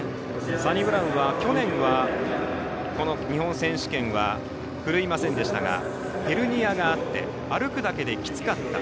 サニブラウンは去年はこの日本選手権はふるいませんでしたがヘルニアがあって歩くだけできつかった。